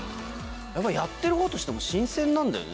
やっぱりやってるほうとしても、新鮮なんだよね。